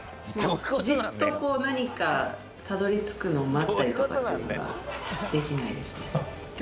「じっとこう何かたどり着くのを待ったりとかっていうのができないですね」